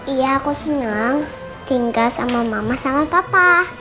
iya aku senang tinggal sama mama sama papa